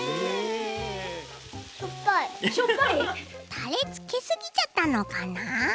タレつけすぎちゃったのかな？